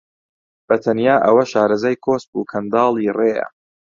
بە تەنیا ئەوە شارەزای کۆسپ و کەنداڵی ڕێیە